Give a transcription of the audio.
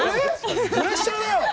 プレッシャーだよ。